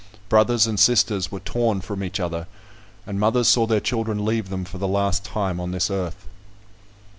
Brothers and sisters were torn from each other; and mothers saw their children leave them for the last time on this earth.